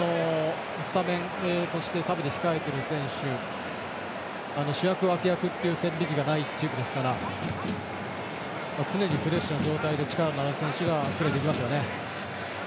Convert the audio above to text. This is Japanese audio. スタメンとしてサブで控えている選手主役、脇役っていう線引きがないチームですから常にフレッシュな状態で力のある選手がプレーできますよね。